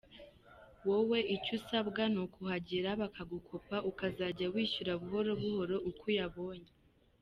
Wowe icyo usabwa ni ukuhagera bakagukopa ukazajya wishyura buhoro buhoro uko uyabonye.